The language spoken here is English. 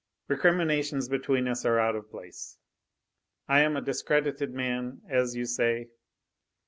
"Recriminations between us are out of place. I am a discredited man, as you say.